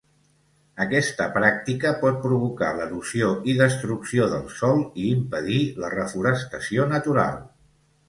Aquesta pràctica pot provocar l'erosió i destrucció del sòl i impedir la reforestació natural.